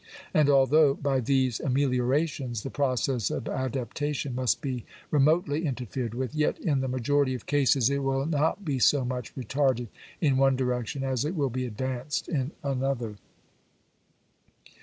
And, although by these ameliorations the process of adaptation must be remotely interfered with, yet in the majority of cases, it will not be so much retarded in one direction as it will be advanced in another.